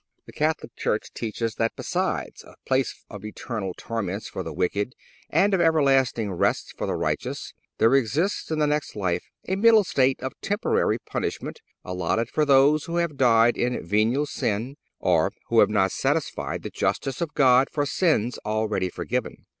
The Catholic Church teaches that, besides a place of eternal torments for the wicked and of everlasting rest for the righteous, there exists in the next life a middle state of temporary punishment, allotted for those who have died in venial sin, or who have not satisfied the justice of God for sins already forgiven.